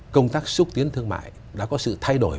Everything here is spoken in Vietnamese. công tác xúc tiến thương mại đã có sự thay đổi